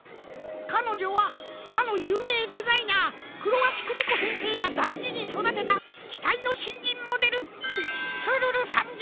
かのじょはかのゆうめいデザイナークロワシクミコせんせいがだいじにそだてたきたいのしんじんモデルツルルさんじゃ。